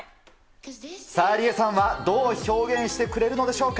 さあ、理恵さんはどう表現してくれるのでしょうか。